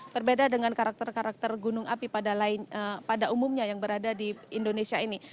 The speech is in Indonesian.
berbeda dengan karakter karakter gunung api pada umumnya yang berada di indonesia ini